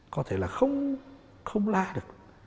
có thể là không không la được